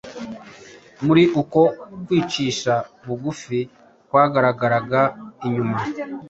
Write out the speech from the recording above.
Muri uko kwicisha bugufi kwagaragaraga inyuma,